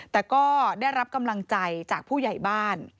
แต่ก็ได้รับกำลังใจจากผู้ใหญ่บ้าน